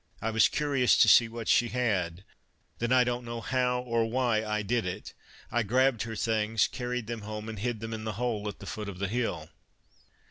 1 was curious to see what she had, then 1 don't know how or why I did it, 1 grabbed her things, carried them home and hid them in the hole at the foot of the hill."